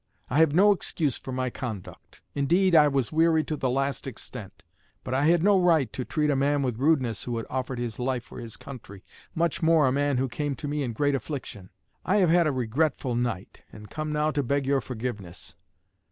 I have no excuse for my conduct. Indeed, I was weary to the last extent; but I had no right to treat a man with rudeness who had offered his life for his country, much more a man who came to me in great affliction. I have had a regretful night, and come now to beg your forgiveness."